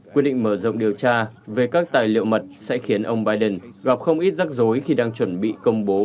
quyết định mở rộng điều tra về các tài liệu mật sẽ khiến ông biden gặp không ít rắc rối khi đang chuẩn bị công bố